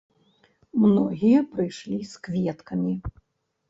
Многія прыйшлі з кветкамі.